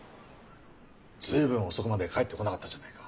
随分遅くまで帰ってこなかったじゃないか。